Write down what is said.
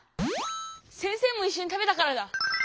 先生もいっしょに食べたからだ。